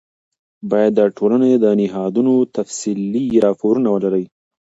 باید د ټولنې د نهادونو تفصیلي راپور ولرئ.